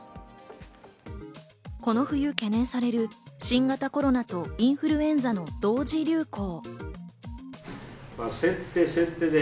この冬、懸念される新型コロナとインフルエンザの当時流行。